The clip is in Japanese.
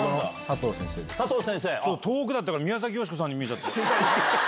遠くだったから、宮崎美子さんに見えちゃった。